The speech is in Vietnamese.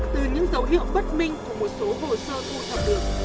từ những dấu hiệu bất minh của một số hồ sơ thu thập được